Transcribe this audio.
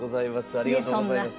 ありがとうございます。